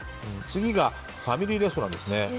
次がファミリーレストランですね。